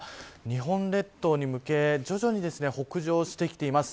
日本列島に向け徐々に北上してきています。